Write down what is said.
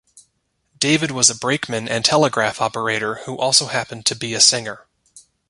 David was a brakeman and telegraph operator who also happened to be a singer.